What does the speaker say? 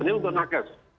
ini untuk nages